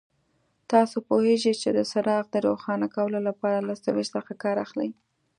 تاسو پوهېږئ چې د څراغ د روښانه کولو لپاره له سویچ څخه کار اخلي.